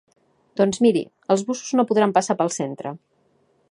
Doncs miri, els busos no podran passar pel centre.